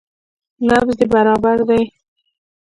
نبض دې برابر ديه.